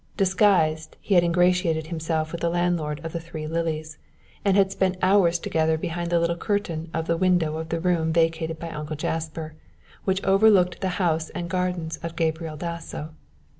Disguised, he had ingratiated himself with the landlord of The Three Lilies, and had spent hours together behind the little curtain of the window of the room vacated by Uncle Jasper, which overlooked the house and gardens of Gabriel Dasso.